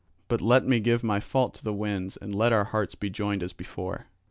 But let me give my fault to the winds and let our hearts be joined as before."